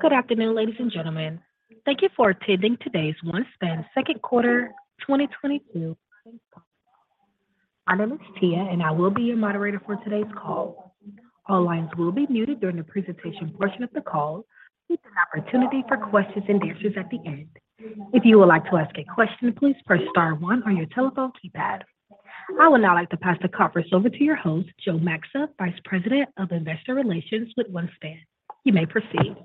Good afternoon, ladies and gentlemen. Thank you for attending today's OneSpan 2nd quarter 2022. My name is Tia, and I will be your moderator for today's call. All lines will be muted during the presentation portion of the call. There's an opportunity for questions and answers at the end. If you would like to ask a question, please press star one on your telephone keypad. I would now like to pass the conference over to your host, Joe Maxa, Vice President of Investor Relations with OneSpan. You may proceed.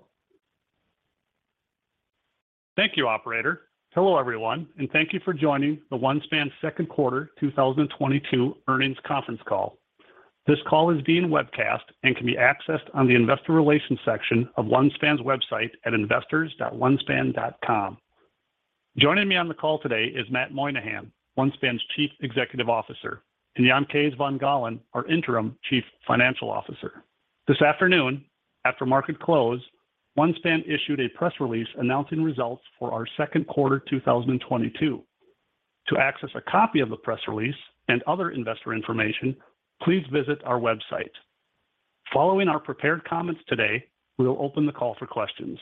Thank you, operator. Hello, everyone, and thank you for joining the OneSpan 2nd quarter 2022 earnings conference call. This call is being webcast and can be accessed on the investor relations section of OneSpan's website at investors.onespan.com. Joining me on the call today is Matt Moynahan, OneSpan's Chief Executive Officer, and Jan Kees van Gaalen, our interim Chief Financial Officer. This afternoon, after market close, OneSpan issued a press release announcing results for our 2nd quarter 2022. To access a copy of the press release and other investor information, please visit our website. Following our prepared comments today, we will open the call for questions.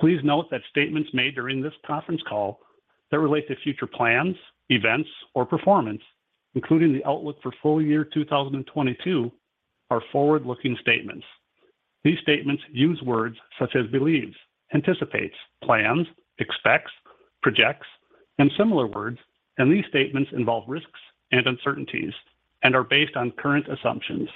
Please note that statements made during this conference call that relate to future plans, events, or performance, including the outlook for full year 2022 are forward-looking statements. These statements use words such as believes, anticipates, plans, expects, projects, and similar words, and these statements involve risks and uncertainties and are based on current assumptions.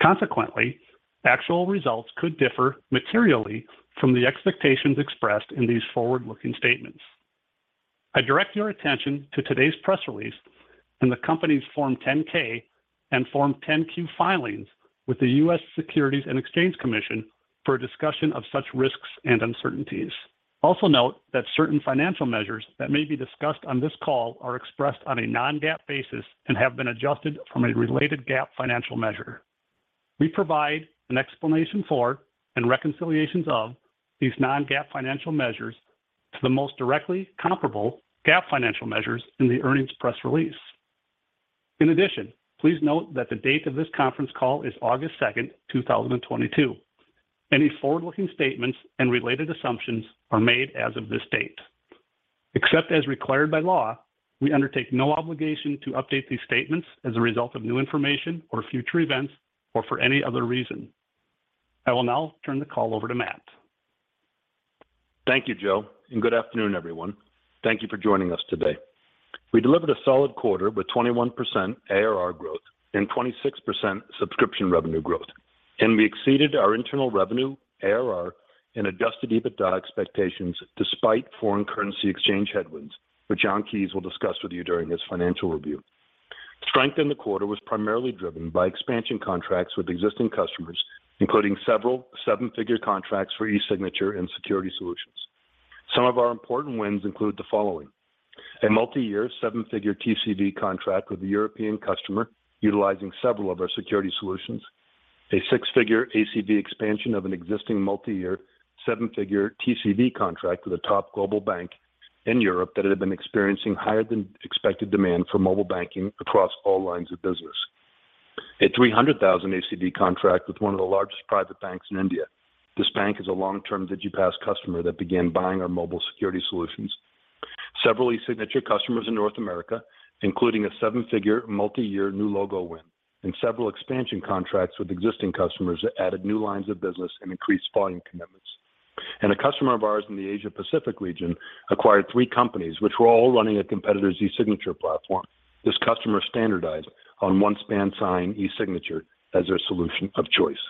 Consequently, actual results could differ materially from the expectations expressed in these forward-looking statements. I direct your attention to today's press release and the company's Form 10-K and Form 10-Q filings with the U.S. Securities and Exchange Commission for a discussion of such risks and uncertainties. Also note that certain financial measures that may be discussed on this call are expressed on a non-GAAP basis and have been adjusted from a related GAAP financial measure. We provide an explanation for and reconciliations of these non-GAAP financial measures to the most directly comparable GAAP financial measures in the earnings press release. In addition, please note that the date of this conference call is August 2, 2022. Any forward-looking statements and related assumptions are made as of this date. Except as required by law, we undertake no obligation to update these statements as a result of new information or future events or for any other reason. I will now turn the call over to Matt. Thank you, Joe, and good afternoon, everyone. Thank you for joining us today. We delivered a solid quarter with 21% ARR growth and 26% subscription revenue growth. We exceeded our internal revenue, ARR, and adjusted EBITDA expectations despite foreign currency exchange headwinds, which Jan Kees will discuss with you during his financial review. Strength in the quarter was primarily driven by expansion contracts with existing customers, including several seven-figure contracts for e-signature and security solutions. Some of our important wins include the following. A multi-year seven-figure TCV contract with a European customer utilizing several of our security solutions. A six-figure ACV expansion of an existing multi-year seven-figure TCV contract with a top global bank in Europe that had been experiencing higher than expected demand for mobile banking across all lines of business. A $300,000 ACV contract with one of the largest private banks in India. This bank is a long-term Digipass customer that began buying our mobile security solutions. Several e-signature customers in North America, including a seven-figure multi-year new logo win and several expansion contracts with existing customers that added new lines of business and increased volume commitments. A customer of ours in the Asia Pacific region acquired three companies which were all running a competitor's e-signature platform. This customer standardized on OneSpan Sign e-signature as their solution of choice.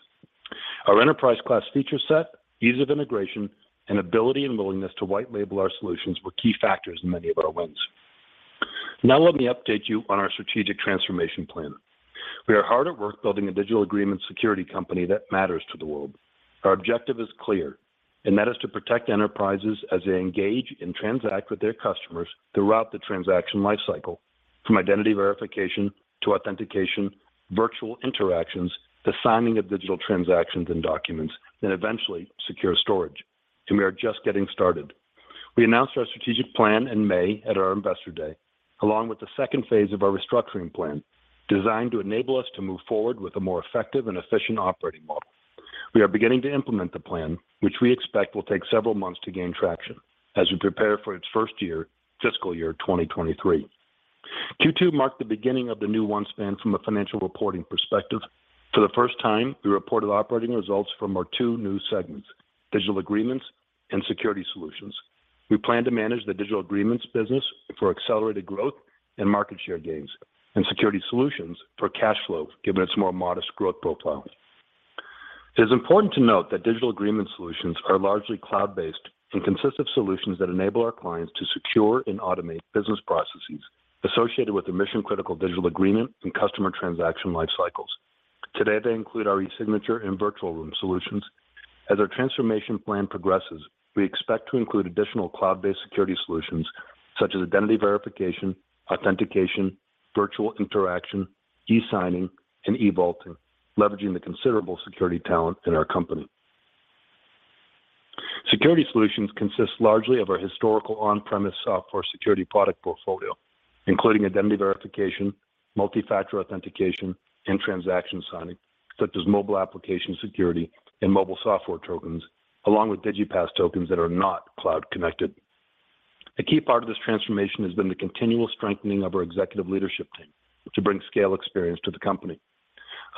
Our enterprise-class feature set, ease of integration, and ability and willingness to white label our solutions were key factors in many of our wins. Now let me update you on our strategic transformation plan. We are hard at work building a digital agreement security company that matters to the world. Our objective is clear, and that is to protect enterprises as they engage and transact with their customers throughout the transaction lifecycle, from identity verification to authentication, virtual interactions, the signing of digital transactions and documents, and eventually secure storage. We are just getting started. We announced our strategic plan in May at our Investor Day, along with the second phase of our restructuring plan designed to enable us to move forward with a more effective and efficient operating model. We are beginning to implement the plan, which we expect will take several months to gain traction as we prepare for its first year, fiscal year 2023. Q2 marked the beginning of the new OneSpan from a financial reporting perspective. For the first time, we reported operating results from our two new segments, digital agreements, and security solutions. We plan to manage the digital agreements business for accelerated growth and market share gains, and security solutions for cash flow given its more modest growth profile. It is important to note that digital agreement solutions are largely cloud-based and consist of solutions that enable our clients to secure and automate business processes associated with their mission-critical digital agreement and customer transaction lifecycles. Today, they include our e-signature and Virtual Room solutions. As our transformation plan progresses, we expect to include additional cloud-based security solutions such as identity verification, authentication, virtual interaction, e-signing, and e-vaulting, leveraging the considerable security talent in our company. Security solutions consist largely of our historical on-premise software security product portfolio, including identity verification, multi-factor authentication, and transaction signing, such as mobile application security and mobile software tokens, along with Digipass tokens that are not cloud-connected. A key part of this transformation has been the continual strengthening of our executive leadership team to bring scale experience to the company.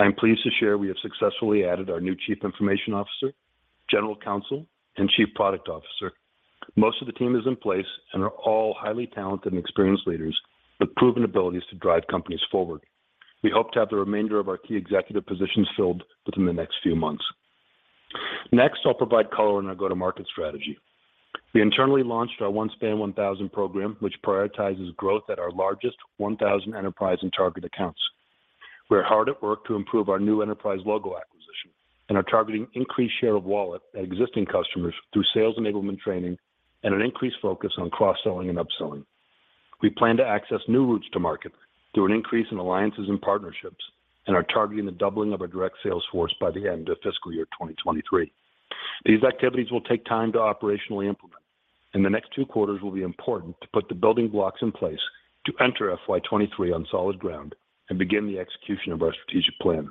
I am pleased to share we have successfully added our new chief information officer, general counsel, and chief product officer. Most of the team is in place and are all highly talented and experienced leaders with proven abilities to drive companies forward. We hope to have the remainder of our key executive positions filled within the next few months. Next, I'll provide color on our go-to-market strategy. We internally launched our OneSpan 1000 program, which prioritizes growth at our largest 1,000 enterprise and target accounts. We're hard at work to improve our new enterprise logo acquisition and are targeting increased share of wallet at existing customers through sales enablement training and an increased focus on cross-selling and upselling. We plan to access new routes to market through an increase in alliances and partnerships and are targeting the doubling of our direct sales force by the end of fiscal year 2023. These activities will take time to operationally implement, and the next two quarters will be important to put the building blocks in place to enter FY 2023 on solid ground and begin the execution of our strategic plan.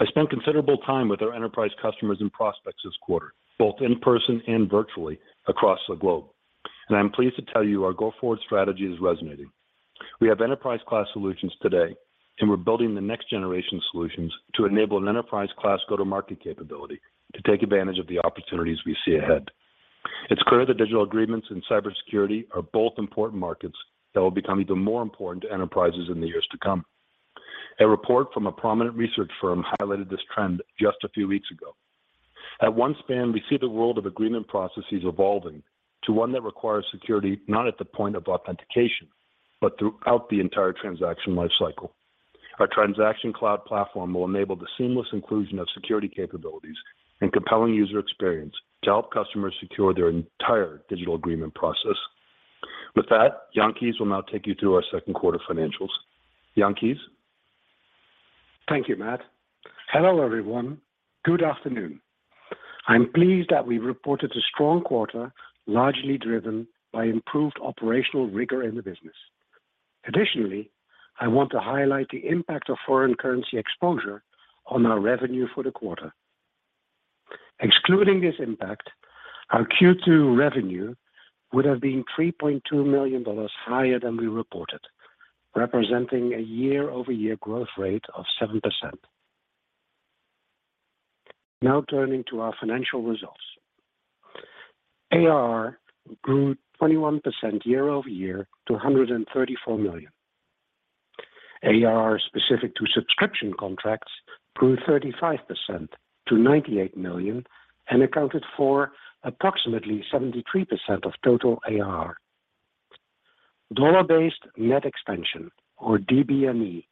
I spent considerable time with our enterprise customers and prospects this quarter, both in person and virtually across the globe, and I'm pleased to tell you our go-forward strategy is resonating. We have enterprise-class solutions today, and we're building the next generation of solutions to enable an enterprise-class go-to-market capability to take advantage of the opportunities we see ahead. It's clear that digital agreements and cybersecurity are both important markets that will become even more important to enterprises in the years to come. A report from a prominent research firm highlighted this trend just a few weeks ago. At OneSpan, we see the world of agreement processes evolving to one that requires security not at the point of authentication but throughout the entire transaction lifecycle. Our Transaction Cloud Platform will enable the seamless inclusion of security capabilities and compelling user experience to help customers secure their entire digital agreement process. With that, Jan Kees will now take you through our 2nd quarter financials. Jan Kees? Thank you, Matt. Hello, everyone. Good afternoon. I'm pleased that we reported a strong quarter, largely driven by improved operational rigor in the business. Additionally, I want to highlight the impact of foreign currency exposure on our revenue for the quarter. Excluding this impact, our Q2 revenue would have been $3.2 million higher than we reported, representing a year-over-year growth rate of 7%. Now turning to our financial results. ARR grew 21% year-over-year to $134 million. ARR specific to subscription contracts grew 35% to $98 million and accounted for approximately 73% of total ARR. Dollar-based net expansion, or DBNE,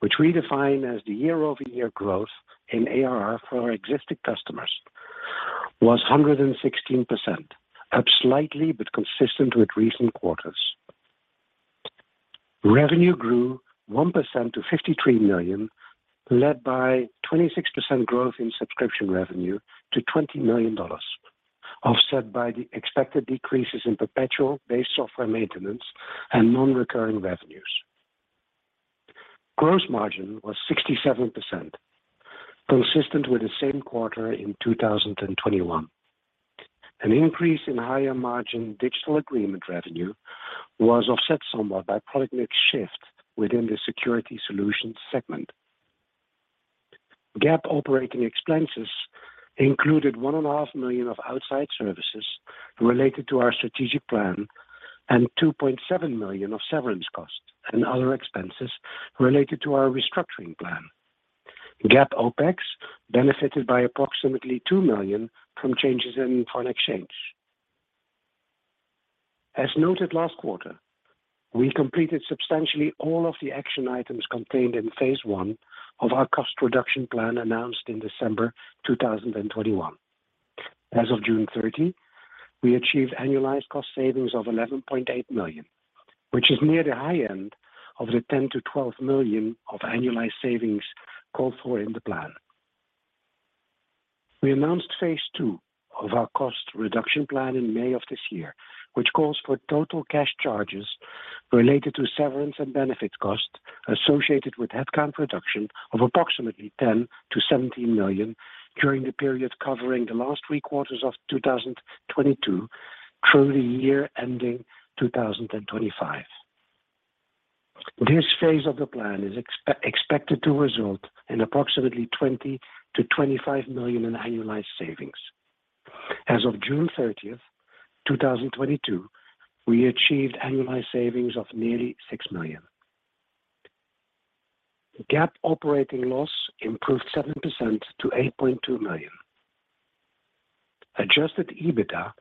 which we define as the year-over-year growth in ARR for our existing customers, was 116%, up slightly but consistent with recent quarters. Revenue grew 1% to $53 million, led by 26% growth in subscription revenue to $20 million, offset by the expected decreases in perpetual-based software maintenance and non-recurring revenues. Gross margin was 67%, consistent with the same quarter in 2021. An increase in higher-margin digital agreement revenue was offset somewhat by product mix shift within the security solutions segment. GAAP operating expenses included $1.5 million of outside services related to our strategic plan and $2.7 million of severance costs and other expenses related to our restructuring plan. GAAP OPEX benefited by approximately $2 million from changes in foreign exchange. As noted last quarter, we completed substantially all of the action items contained in phase one of our cost reduction plan announced in December 2021. As of June 30, we achieved annualized cost savings of $11.8 million, which is near the high end of the $10-$12 million of annualized savings called for in the plan. We announced phase two of our cost reduction plan in May of this year, which calls for total cash charges related to severance and benefit costs associated with headcount reduction of approximately $10-$17 million during the period covering the last three quarters of 2022 through the year ending 2025. This phase of the plan is expected to result in approximately $20-$25 million in annualized savings. As of June 30, 2022, we achieved annualized savings of nearly $6 million. GAAP operating loss improved 7% to $8.2 million. Adjusted EBITDA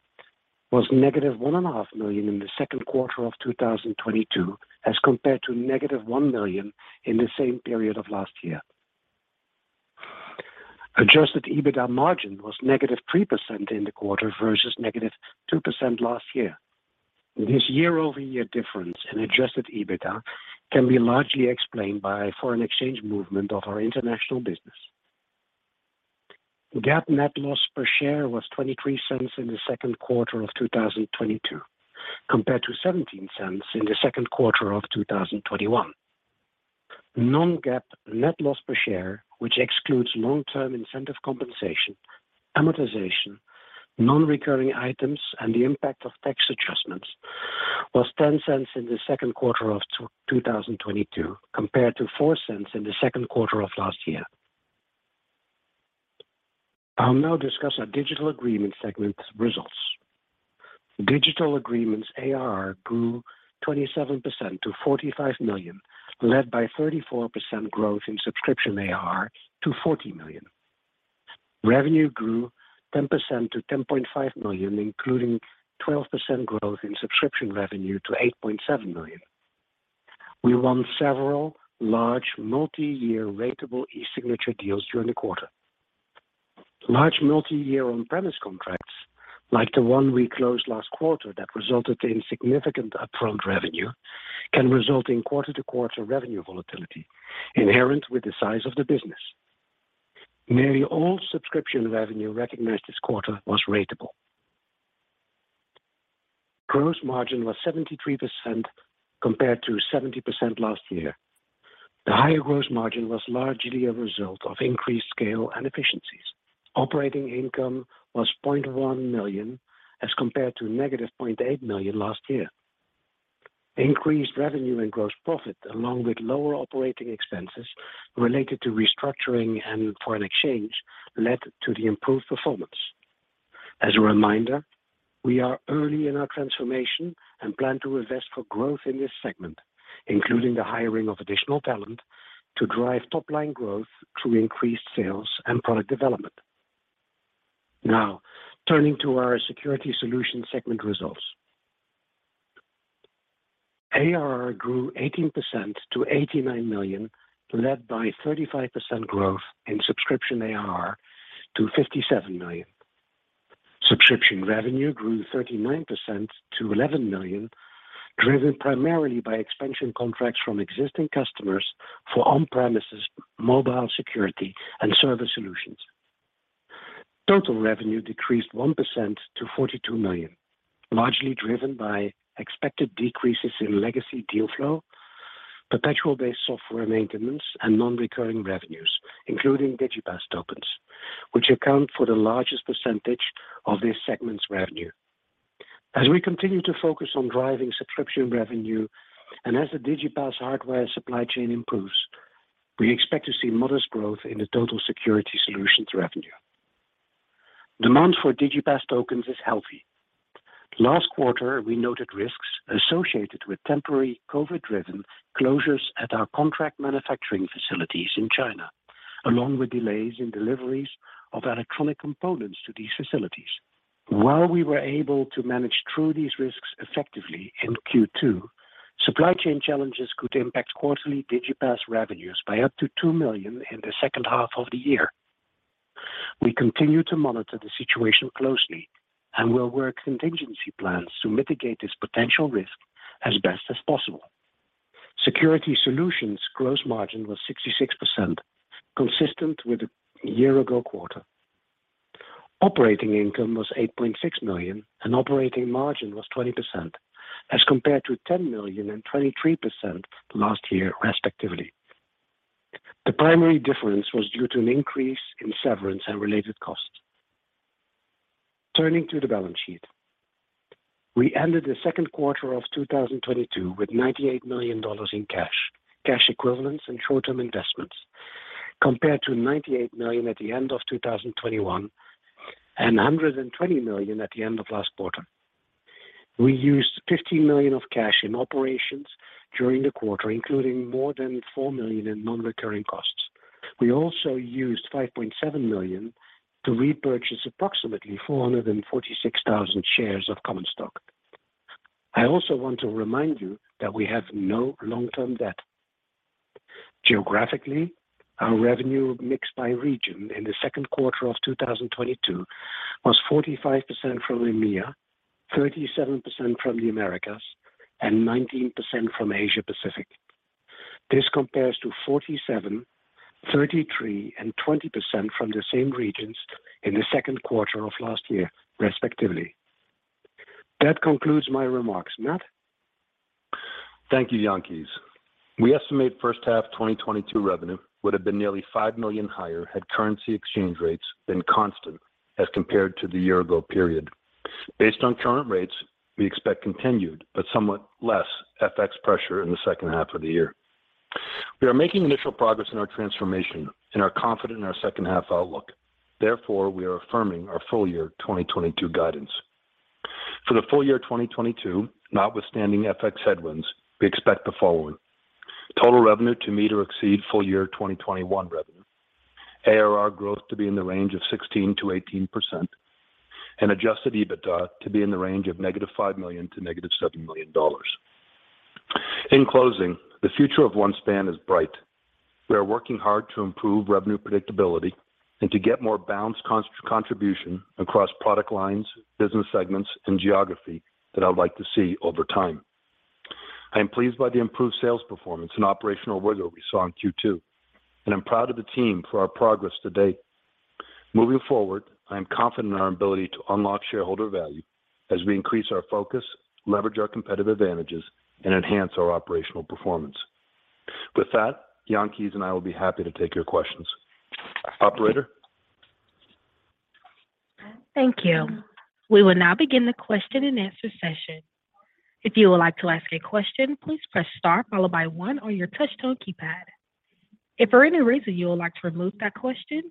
was -$1.5 million in the 2nd quarter of 2022 as compared to -$1 million in the same period of last year. Adjusted EBITDA margin was -3% in the quarter versus -2% last year. This year-over-year difference in adjusted EBITDA can be largely explained by foreign exchange movement of our international business. GAAP net loss per share was $0.23 in the 2nd quarter of 2022, compared to $0.17 in the 2nd quarter of 2021. non-GAAP net loss per share, which excludes long-term incentive compensation, amortization, non-recurring items, and the impact of tax adjustments, was $0.10 in the 2nd quarter of 2022, compared to $0.04 in the 2nd quarter of last year. I'll now discuss our Digital Agreements segment results. Digital Agreements ARR grew 27% to $45 million, led by 34% growth in subscription ARR to $40 million. Revenue grew 10% to $10.5 million, including 12% growth in subscription revenue to $8.7 million. We won several large multi-year ratable e-signature deals during the quarter. Large multi-year on-premise contracts like the one we closed last quarter that resulted in significant upfront revenue can result in quarter-to-quarter revenue volatility inherent with the size of the business. Nearly all subscription revenue recognized this quarter was ratable. Gross margin was 73% compared to 70% last year. The higher gross margin was largely a result of increased scale and efficiencies. Operating income was $0.1 million as compared to -$0.8 million last year. Increased revenue and gross profit, along with lower operating expenses related to restructuring and foreign exchange, led to the improved performance. As a reminder, we are early in our transformation and plan to invest for growth in this segment, including the hiring of additional talent to drive top-line growth through increased sales and product development. Now, turning to our Security Solutions segment results. ARR grew 18% to $89 million, led by 35% growth in subscription ARR to $57 million. Subscription revenue grew 39% to $11 million, driven primarily by expansion contracts from existing customers for on-premises mobile security and service solutions. Total revenue decreased 1% to $42 million, largely driven by expected decreases in legacy deal flow, perpetual-based software maintenance, and non-recurring revenues, including Digipass tokens, which account for the largest percentage of this segment's revenue. As we continue to focus on driving subscription revenue and as the Digipass hardware supply chain improves, we expect to see modest growth in the total Security Solutions revenue. Demand for Digipass tokens is healthy. Last quarter, we noted risks associated with temporary COVID-driven closures at our contract manufacturing facilities in China, along with delays in deliveries of electronic components to these facilities. While we were able to manage through these risks effectively in Q2, supply chain challenges could impact quarterly Digipass revenues by up to $2 million in the second half of the year. We continue to monitor the situation closely and will work contingency plans to mitigate this potential risk as best as possible. Security Solutions' gross margin was 66%, consistent with the year-ago quarter. Operating income was $8.6 million, and operating margin was 20% as compared to $10 million and 23% last year, respectively. The primary difference was due to an increase in severance and related costs. Turning to the balance sheet. We ended the 2nd quarter of 2022 with $98 million in cash equivalents, and short-term investments, compared to $98 million at the end of 2021 and $120 million at the end of last quarter. We used $15 million of cash in operations during the quarter, including more than $4 million in non-recurring costs. We also used $5.7 million to repurchase approximately 446,000 shares of common stock. I also want to remind you that we have no long-term debt. Geographically, our revenue mix by region in the 2nd quarter of 2022 was 45% from EMEA, 37% from the Americas, and 19% from Asia Pacific. This compares to 47, 33, and 20% from the same regions in the 2nd quarter of last year, respectively. That concludes my remarks. Matt? Thank you, Jan Kees. We estimate first half 2022 revenue would have been nearly $5 million higher had currency exchange rates been constant as compared to the year-ago period. Based on current rates, we expect continued but somewhat less FX pressure in the second half of the year. We are making initial progress in our transformation and are confident in our second half outlook. Therefore, we are affirming our full year 2022 guidance. For the full year 2022, notwithstanding FX headwinds, we expect the following. Total revenue to meet or exceed full year 2021 revenue. ARR growth to be in the range of 16%-18% and adjusted EBITDA to be in the range of -$5 million to -$7 million. In closing, the future of OneSpan is bright. We are working hard to improve revenue predictability and to get more balanced contribution across product lines, business segments, and geography that I would like to see over time. I am pleased by the improved sales performance and operational rigor we saw in Q2, and I'm proud of the team for our progress to date. Moving forward, I am confident in our ability to unlock shareholder value as we increase our focus, leverage our competitive advantages, and enhance our operational performance. With that, Jan Kees and I will be happy to take your questions. Operator? Thank you. We will now begin the question-and-answer session. If you would like to ask a question, please press star followed by one on your touch tone keypad. If for any reason you would like to remove that question,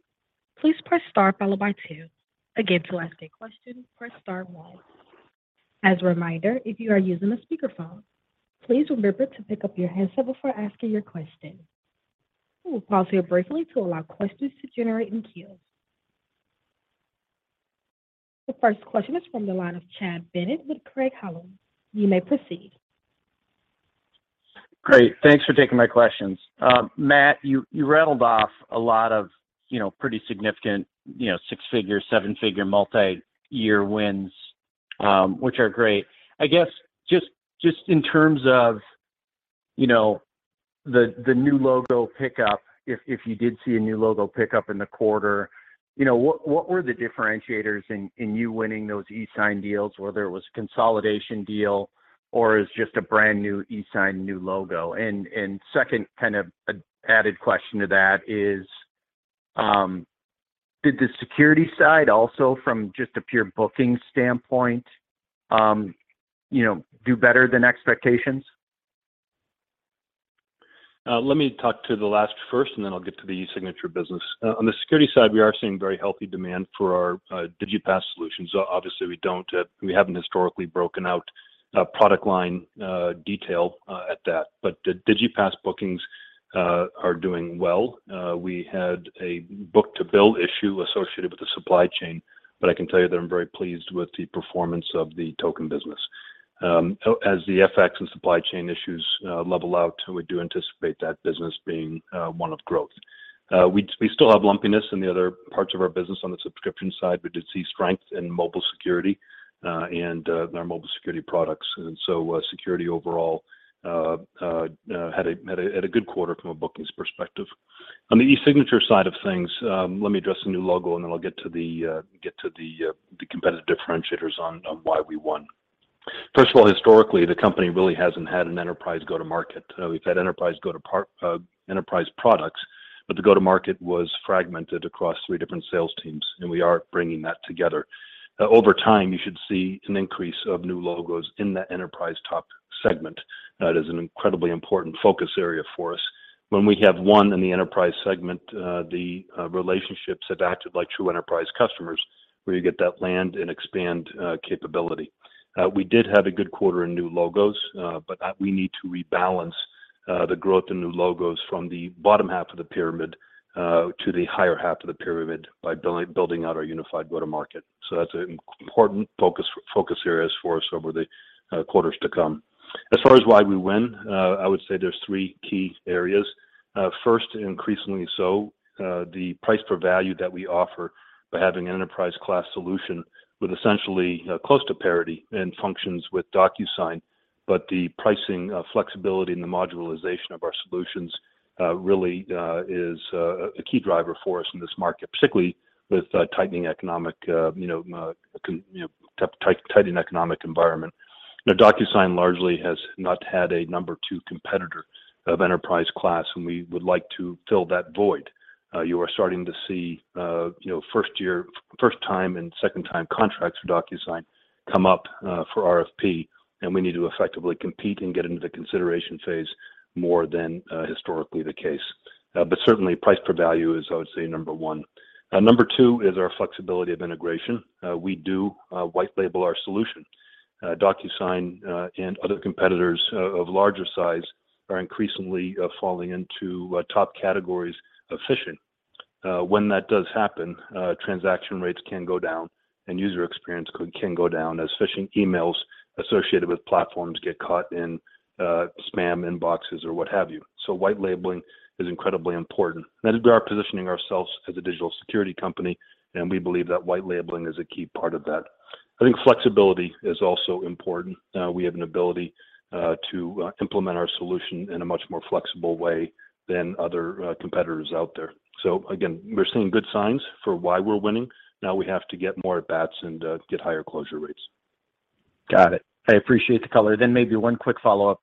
please press star followed by two. Again, to ask a question, press star one. As a reminder, if you are using a speakerphone, please remember to pick up your handset before asking your question. We will pause here briefly to allow questions to generate in queue. The first question is from the line of Chad Bennett with Craig-Hallum. You may proceed. Great. Thanks for taking my questions. Matt, you rattled off a lot of, you know, pretty significant, you know, six-figure, seven-figure multi-year wins, which are great. I guess just in terms of, you know, the new logo pickup, if you did see a new logo pickup in the quarter, you know, what were the differentiators in you winning those e-sign deals, whether it was a consolidation deal or it's just a brand-new e-sign, new logo? Second kind of added question to that is, did the security side also from just a pure booking standpoint, you know, do better than expectations? Let me talk to the last first, and then I'll get to the e-signature business. On the security side, we are seeing very healthy demand for our Digipass solutions. Obviously, we don't, we haven't historically broken out product line detail at that. But the Digipass bookings are doing well. We had a book-to-bill issue associated with the supply chain, but I can tell you that I'm very pleased with the performance of the token business. As the FX and supply chain issues level out, we do anticipate that business being one of growth. We still have lumpiness in the other parts of our business on the subscription side. We did see strength in mobile security and in our mobile security products. Security overall had a good quarter from a bookings perspective. On the e-signature side of things, let me address the new logo, and then I'll get to the competitive differentiators on why we won. First of all, historically, the company really hasn't had an enterprise go-to-market. We've had enterprise products, but the go-to-market was fragmented across three different sales teams, and we are bringing that together. Over time, you should see an increase of new logos in that enterprise top segment. That is an incredibly important focus area for us. When we have one in the enterprise segment, the relationships have acted like true enterprise customers, where you get that land and expand capability. We did have a good quarter in new logos, but that we need to rebalance the growth in new logos from the bottom half of the pyramid to the higher half of the pyramid by building out our unified go-to-market. That's an important focus area for us over the quarters to come. As far as why we win, I would say there's three key areas. First, increasingly so, the price per value that we offer by having an enterprise class solution with essentially close to parity in functions with DocuSign, but the pricing flexibility and the modularization of our solutions really is a key driver for us in this market, particularly with tightening economic, you know, tightening economic environment. Now, DocuSign largely has not had a number two competitor of enterprise class, and we would like to fill that void. You are starting to see, you know, first time and second time contracts for DocuSign come up for RFP, and we need to effectively compete and get into the consideration phase more than historically the case. Certainly price per value is, I would say, number one. Number two is our flexibility of integration. We do white label our solution. DocuSign and other competitors of larger size are increasingly falling into top categories of phishing. When that does happen, transaction rates can go down and user experience can go down as phishing emails associated with platforms get caught in spam inboxes or what have you. White labeling is incredibly important. As we are positioning ourselves as a digital security company, and we believe that white labeling is a key part of that. I think flexibility is also important. We have an ability to implement our solution in a much more flexible way than other competitors out there. Again, we're seeing good signs for why we're winning. Now we have to get more at bats and get higher closure rates. Got it. I appreciate the color. Maybe one quick follow-up.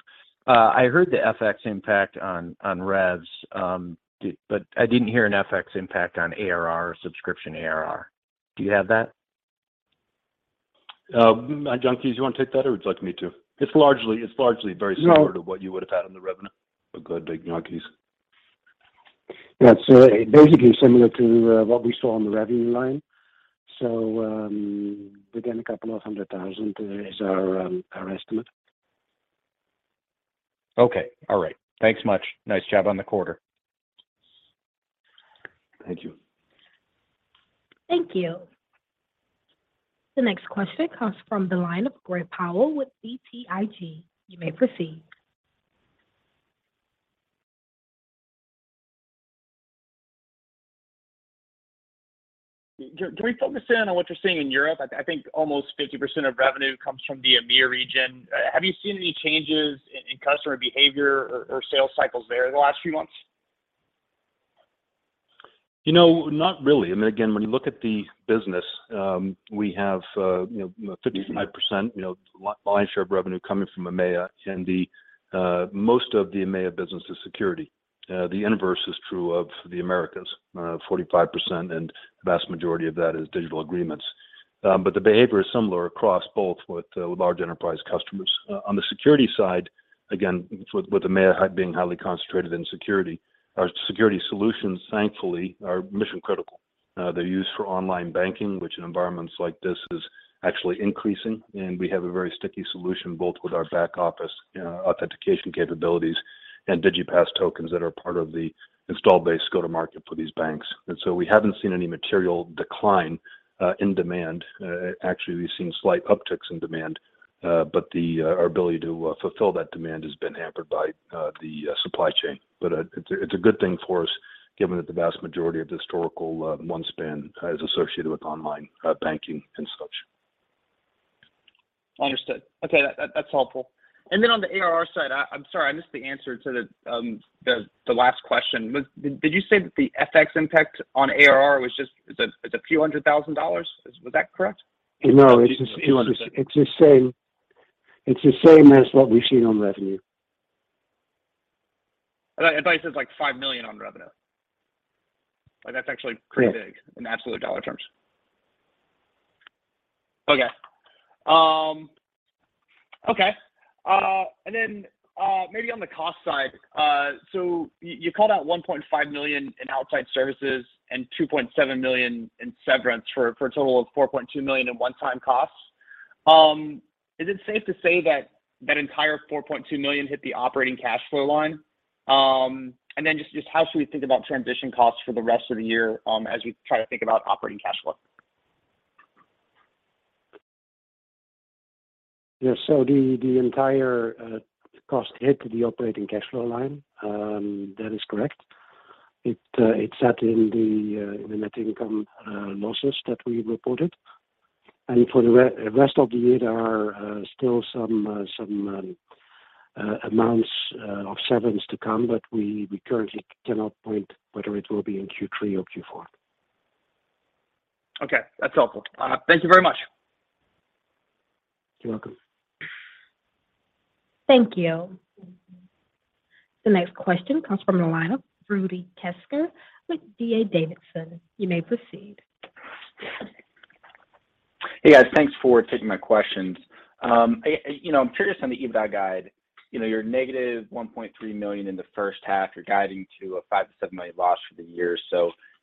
I heard the FX impact on revs but I didn't hear an FX impact on ARR or subscription ARR. Do you have that? Jan Kees, you wanna take that or would you like me to? It's largely very similar. No To what you would have had on the revenue. Go ahead, Jan Kees. Yeah. Basically similar to what we saw on the revenue line. Again, a couple of hundred thousand is our estimate. Okay. All right. Thanks much. Nice job on the quarter. Thank you. Thank you. The next question comes from the line of Gray Powell with BTIG. You may proceed. Can we focus in on what you're seeing in Europe? I think almost 50% of revenue comes from the EMEA region. Have you seen any changes in customer behavior or sales cycles there the last few months? You know, not really. I mean, again, when you look at the business, we have, you know, 55% line share of revenue coming from EMEA, and the most of the EMEA business is security. The inverse is true of the Americas. 45%, and the vast majority of that is digital agreements. But the behavior is similar across both with large enterprise customers. On the security side, again, with EMEA being highly concentrated in security, our security solutions, thankfully, are mission-critical. They're used for online banking, which in environments like this is actually increasing. We have a very sticky solution both with our back office, you know, authentication capabilities and Digipass tokens that are part of the installed base go-to-market for these banks. We haven't seen any material decline in demand. Actually, we've seen slight upticks in demand, but our ability to fulfill that demand has been hampered by the supply chain. It's a good thing for us, given that the vast majority of the historical OneSpan is associated with online banking construction. Understood. Okay. That's helpful. Then on the ARR side, I'm sorry, I missed the answer to the last question. Did you say that the FX impact on ARR was just. It's a few hundred thousand dollars? Was that correct? No. A few hundred thousand. It's the same. It's the same as what we've seen on revenue. I thought you said it's, like, $5 million on revenue. Like, that's actually pretty big. Yeah In absolute dollar terms. Okay. Maybe on the cost side, so you called out $1.5 million in outside services and $2.7 million in severance for a total of $4.2 million in one-time costs. Is it safe to say that that entire $4.2 million hit the operating cash flow line? Just how should we think about transition costs for the rest of the year, as we try to think about operating cash flow? The entire cost hit the operating cash flow line. That is correct. It sat in the net income losses that we reported. For the rest of the year, there are still some amounts of severance to come, but we currently cannot say whether it will be in Q3 or Q4. Okay. That's helpful. Thank you very much. You're welcome. Thank you. The next question comes from the line of Rudy Kessinger with D.A. Davidson. You may proceed. Hey, guys. Thanks for taking my questions. You know, I'm curious on the EBITDA guide. You know, you're negative $1.3 million in the first half. You're guiding to a $5 million-$7 million loss for the year.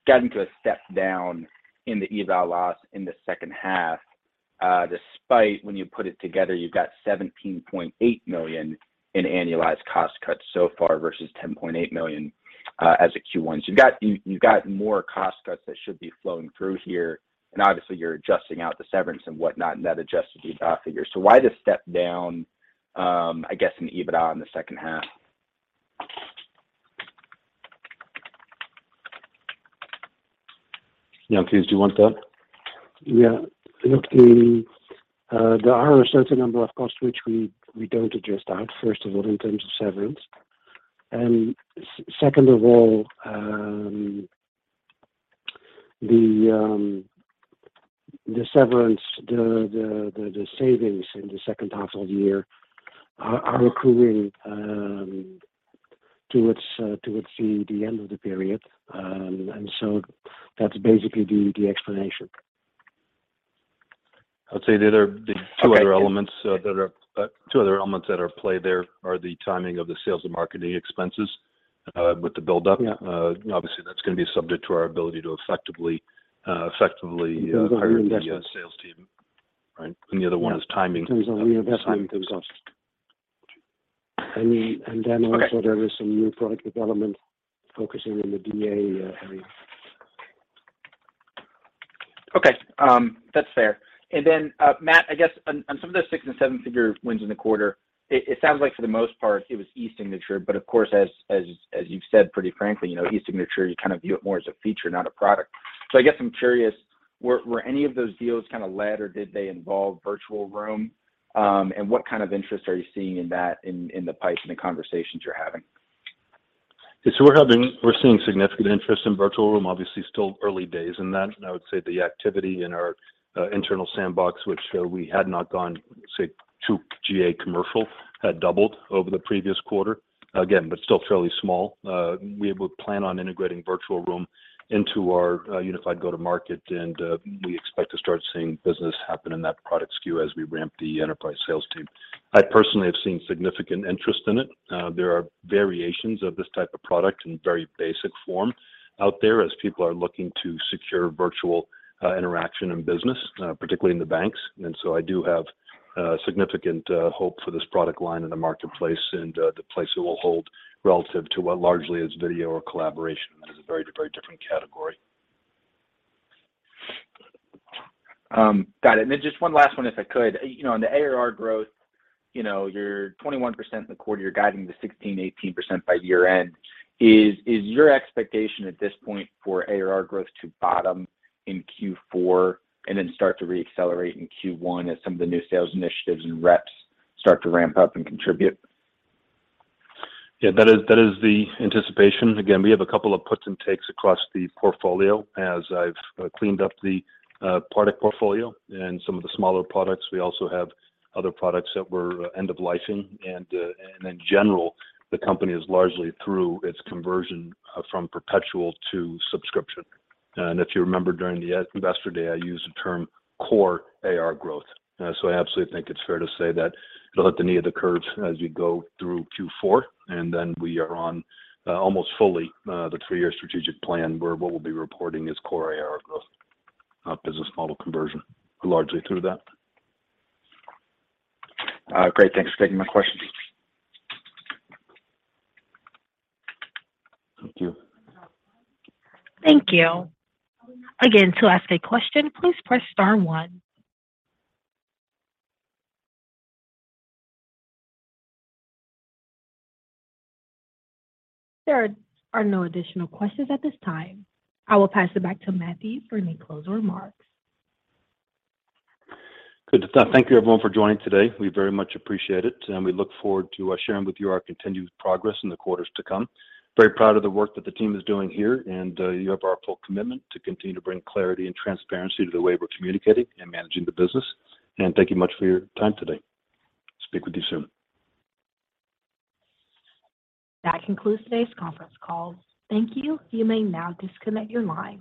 Guiding to a step down in the EBITDA loss in the second half, despite when you put it together, you've got $17.8 million in annualized cost cuts so far versus $10.8 million as of Q1. You've got more cost cuts that should be flowing through here, and obviously, you're adjusting out the severance and whatnot, and that adjusts the EBITDA figure. Why the step down, I guess in EBITDA in the second half? Jan, please, do you want that? Yeah. Look, there are a certain number of costs which we don't adjust out, first of all, in terms of severance. Second of all, the severance, the savings in the second half of the year are accruing towards the end of the period. That's basically the explanation. I would say there are the- Okay. Yeah. Two other elements that are at play there are the timing of the sales and marketing expenses with the buildup. Yeah. Obviously, that's gonna be subject to our ability to effectively. In terms of reinvestment. Hire the sales team. Right? Yeah. The other one is timing. In terms of reinvesting. The timing Those costs. Okay There is some new product development focusing on the DA area. Okay. That's fair. Matt, I guess on some of the six and seven-figure wins in the quarter, it sounds like for the most part it was e-signature, but of course, as you've said pretty frankly, you know, e-signature, you kind of view it more as a feature, not a product. I guess I'm curious, were any of those deals kind of led or did they involve Virtual Room? What kind of interest are you seeing in that in the pipe, in the conversations you're having? We're seeing significant interest in Virtual Room, obviously still early days in that. I would say the activity in our internal sandbox, which we had not gone, say, to GA commercial, had doubled over the previous quarter. Again, but still fairly small. We would plan on integrating Virtual Room into our unified go-to-market, and we expect to start seeing business happen in that product SKU as we ramp the enterprise sales team. I personally have seen significant interest in it. There are variations of this type of product in very basic form out there as people are looking to secure virtual interaction and business, particularly in the banks. I do have significant hope for this product line in the marketplace and the place it will hold relative to what largely is video or collaboration. That is a very, very different category. Got it. Just one last one if I could. You know, on the ARR growth, you know, you're 21% in the quarter, you're guiding the 16%-18% by year-end. Is your expectation at this point for ARR growth to bottom in Q4 and then start to re-accelerate in Q1 as some of the new sales initiatives and reps start to ramp up and contribute? Yeah, that is the anticipation. Again, we have a couple of puts and takes across the portfolio as I've cleaned up the product portfolio and some of the smaller products. We also have other products that we're end of life-ing. In general, the company is largely through its conversion from perpetual to subscription. If you remember during the investor day, I used the term core ARR growth. So I absolutely think it's fair to say that it'll hit the knee of the curves as we go through Q4, and then we are on almost fully the three-year strategic plan where what we'll be reporting is core ARR growth, business model conversion, largely through that. Great. Thanks for taking my questions. Thank you. Thank you. Again, to ask a question, please press star one. There are no additional questions at this time. I will pass it back to Matthew for any closing remarks. Good. Thank you everyone for joining today. We very much appreciate it, and we look forward to sharing with you our continued progress in the quarters to come. Very proud of the work that the team is doing here, and you have our full commitment to continue to bring clarity and transparency to the way we're communicating and managing the business. Thank you much for your time today. Speak with you soon. That concludes today's conference call. Thank you. You may now disconnect your line.